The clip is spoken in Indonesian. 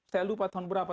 saya lupa tahun berapa